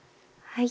はい。